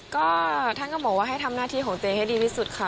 ก็ท่านก็บอกว่าให้ทำหน้าที่ของตัวเองให้ดีที่สุดค่ะ